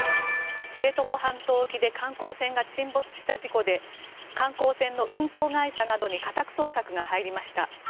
知床半島沖で観光船が沈没した事故で観光船の運航会社などに家宅捜索が入りました。